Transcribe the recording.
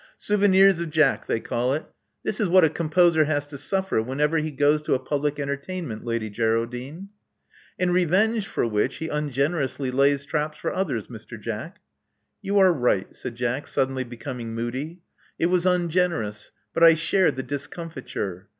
Souvenirs de Jack, they call it This is what a composer has to suffer whenever he goes to a public entertainment, Lady Geraldine." *'In revenge for which, he tmgenerously lays traps for others, Mr. Jack." You are right," said Jack, suddenly becoming moody. It was ungenerous; but I shared the dis comfiture.